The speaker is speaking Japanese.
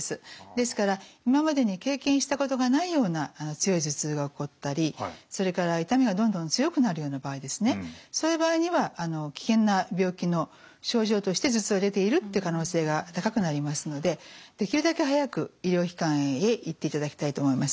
ですから今までに経験したことがないような強い頭痛が起こったりそれから痛みがどんどん強くなるような場合ですねそういう場合には危険な病気の症状として頭痛が出ているという可能性が高くなりますのでできるだけ早く医療機関へ行っていただきたいと思います。